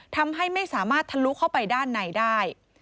ทำให้ไม่สามารถทะลุเข้าไปด้านในได้